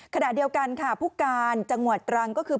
ขณะเดียวกันค่ะผู้การจังหวัดตรังก็คือ